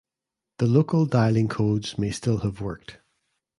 The local dialling codes may still have worked.